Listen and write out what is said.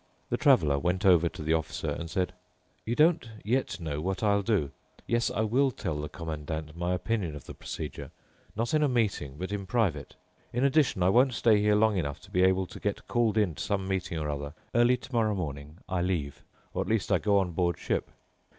The Traveler went over to the Officer and said, "You don't yet know what I'll do. Yes, I will tell the Commandant my opinion of the procedure—not in a meeting, but in private. In addition, I won't stay here long enough to be able to get called in to some meeting or other. Early tomorrow morning I leave, or at least I go on board ship."